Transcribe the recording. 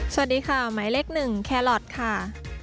สวัสดีค่ะหมายเลข๑แครอทค่ะ